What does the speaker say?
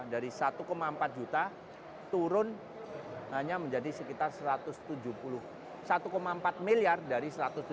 dari satu empat juta turun hanya menjadi sekitar satu ratus tujuh puluh satu empat miliar dari satu ratus tujuh puluh